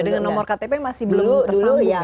dengan nomor ktp masih belum tersambung